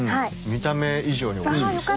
見た目以上においしいです。